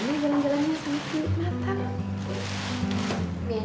ntar gue jalan